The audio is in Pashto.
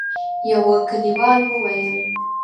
يوه کليوال وويل: